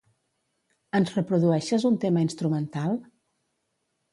Ens reprodueixes un tema instrumental?